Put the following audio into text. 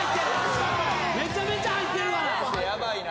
めちゃめちゃ入ってるがな。